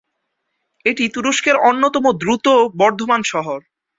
এটি তুরস্কের অন্যতম দ্রুত বর্ধমান শহর।